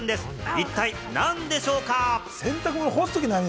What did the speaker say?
一体何でしょうか？